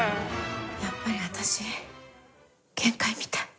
やっぱり私限界みたい。